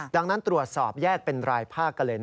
ดังนั้นตรวจสอบแยกเป็นรายภาคกันเลย